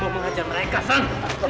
mau mengajar mereka sang